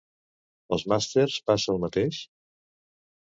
Als màsters passa el mateix?